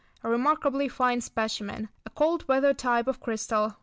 105. A remarkably fine specimen. A cold weather type of crystal.